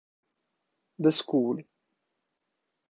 The School